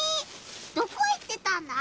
どこ行ってたんだ？